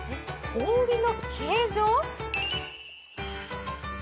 「氷の形状」？